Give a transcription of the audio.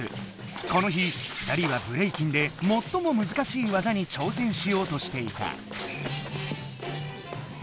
この日２人はブレイキンでもっともむずかしい技にちょうせんしようとしていた。